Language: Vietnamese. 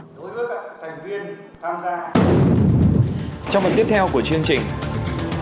trong phần tiếp theo của chương trình